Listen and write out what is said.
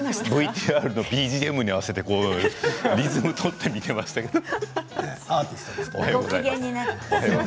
ＶＴＲのＢＧＭに合わせてリズムを取っていましたね。